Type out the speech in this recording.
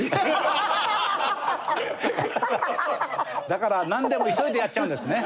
だからなんでも急いでやっちゃうんですね。